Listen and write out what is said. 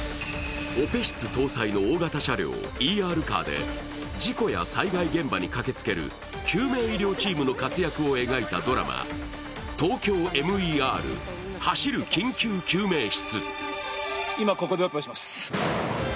オペ室搭載の大型車両＝ＥＲカーで事故や災害現場に駆けつける救命医療チームの活躍を描いたドラマ、「ＴＯＫＹＯＭＥＲ走る緊急救命室」。